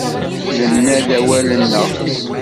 Nenna-d awal-nneɣ.